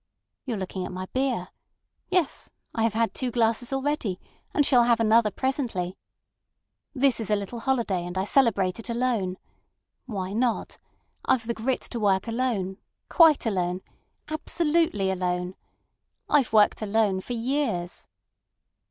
You're looking at my beer. Yes. I have had two glasses already, and shall have another presently. This is a little holiday, and I celebrate it alone. Why not? I've the grit to work alone, quite alone, absolutely alone. I've worked alone for years."